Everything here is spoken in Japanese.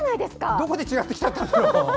どこで違っちゃったんだろう。